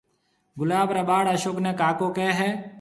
گلاب را ٻاݪ اشوڪ نيَ ڪاڪو ڪيَ ھيََََ